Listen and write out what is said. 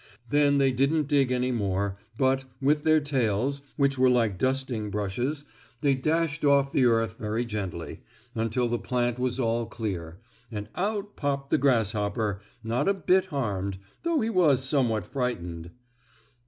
Then they didn't dig any more, but, with their tails, which were like dusting brushes, they dashed off the earth very gently, until the plant was all clear, and out popped the grasshopper, not a bit harmed, though he was somewhat frightened.